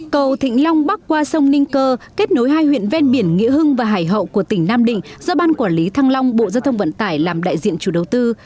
cầu thịnh long bắc qua sông ninh cơ kết nối hai huyện ven biển nghĩa hưng và hải hậu của tỉnh nam định do ban quản lý thăng long bộ giao thông vận tải làm đại diện chủ đầu tư